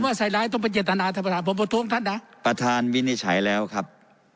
ใส่ร้ายต้องเป็นเจตนาท่านประธานผมประท้วงท่านนะประธานวินิจฉัยแล้วครับ